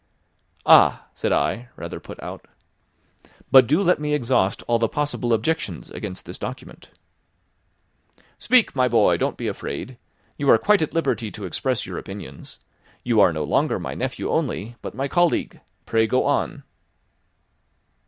"Ah!" said I, rather put out. "But do let me exhaust all the possible objections against this document." "Speak, my boy, don't be afraid. You are quite at liberty to express your opinions. You are no longer my nephew only, but my colleague. Pray go on."